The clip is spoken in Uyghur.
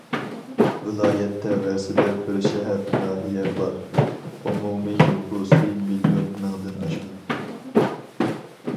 ۋىلايەت تەۋەسىدە بىر شەھەر، ناھىيە بار، ئومۇمىي نوپۇسى مىليون مىڭدىن ئاشىدۇ.